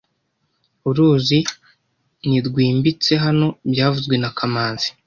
Uruzi ni rwimbitse hano byavuzwe na kamanzi